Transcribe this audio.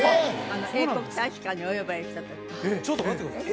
英国大使館にお呼ばれしたときちょっと待ってください